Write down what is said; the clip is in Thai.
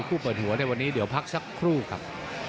เปิดหัวในวันนี้เดี๋ยวพักสักครู่ครับ